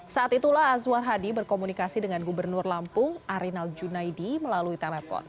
saat itulah azwar hadi berkomunikasi dengan gubernur lampung arinal junaidi melalui telepon